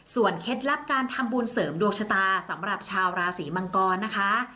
เคล็ดลับการทำบุญเสริมดวงชะตาสำหรับชาวราศีมังกรนะคะ